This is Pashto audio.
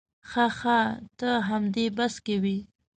ښه ښه ته همدې بس کې وې.